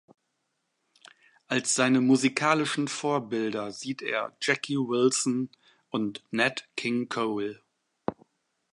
Als seine musikalischen Vorbilder sieht er Jackie Wilson und Nat King Cole.